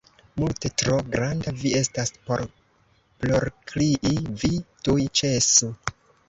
Multe tro granda vi estas por plorkrii, vi tuj ĉesu!